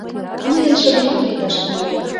Мыйын шыдемат лекташ тӱҥале.